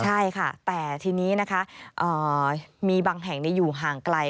ใช่ค่ะแต่ทีนี้นะคะมีบางแห่งอยู่ห่างไกล